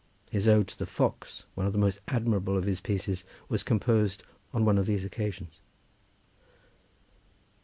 His ode to the Fox, one of the most admirable of his pieces, was composed on one of these occasions.